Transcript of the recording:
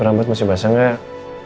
rambut masih basah gak